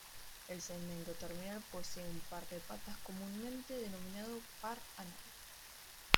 El segmento terminal posee un par de patas comúnmente denominado par anal.